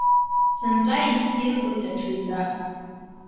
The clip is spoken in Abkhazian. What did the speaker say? Сынтәа иссирхоит аҽаҩра!